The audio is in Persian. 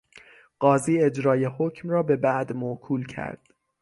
قاضی اجرای حکم را به بعد موکول کرد.